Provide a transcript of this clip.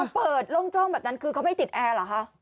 เปิดโล่งจ้องแบบนั้นคือเขาไม่ติดแอร์เหรอคะ